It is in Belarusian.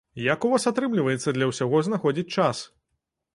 Як у вас атрымліваецца для ўсяго знаходзіць час?